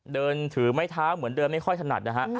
เดินถือไม้เท้าเหมือนเดินไม่ค่อยถนัดนะฮะ